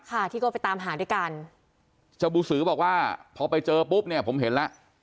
ค่ะที่ก็ไปตามหาด้วยกันเจ้าบูสือบอกว่าพอไปเจอปุ๊บเนี่ยผมเห็นแล้ว